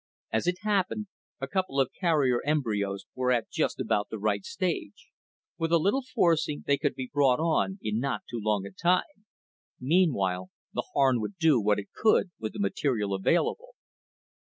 As it happened, a couple of carrier embryos were at just about the right stage. With a little forcing, they could be brought on in not too long a time. Meanwhile, the Harn would do what it could with the material available.